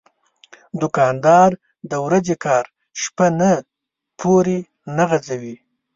دوکاندار د ورځې کار شپه نه پورې نه غځوي.